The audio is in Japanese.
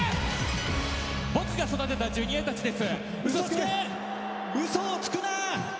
僕が育てたジュニアたちです。